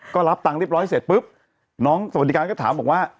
ก็รับตังค์เรียบร้อยเสร็จปุ๊บน้องสวัสดิการก็ถามบอกว่า